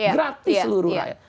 gratis seluruh rakyat